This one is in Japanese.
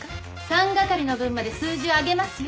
三係の分まで数字を上げますよ。